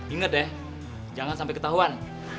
ingat deh jangan sampai ketahuan